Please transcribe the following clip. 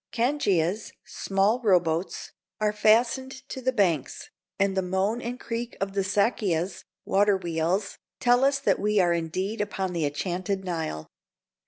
Cangias (small row boats) are fastened to the banks, and the moan and creak of the sakias (water wheels) tell us we are indeed upon the enchanted Nile.